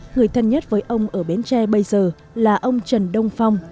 người thân nhất với ông ở bến tre bây giờ là ông trần đông phong